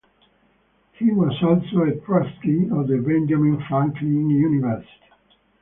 He was also a Trustee of the Benjamin Franklin University.